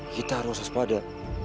kita harus sepada